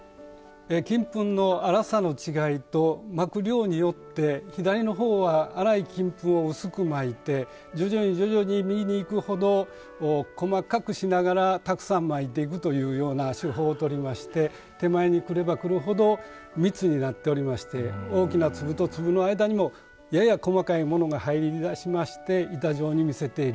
金粉の粗さの違いと蒔く量によって左の方は粗い金粉を薄く蒔いて徐々に徐々に右に行くほど細かくしながらたくさん蒔いていくというような手法をとりまして手前に来れば来るほど密になっておりまして大きな粒と粒の間にもやや細かいものが入りだしまして板状に見せている。